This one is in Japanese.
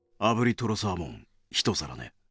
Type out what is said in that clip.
トロサーモンひと皿ね。